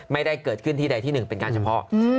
ไม่ได้เกิดขึ้นที่ใดที่หนึ่งเป็นการเฉพาะ